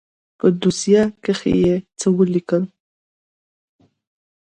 په دوسيه کښې يې څه وليکل.